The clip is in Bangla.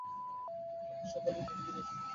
আমি সকলের মধ্যে বিরাজমান।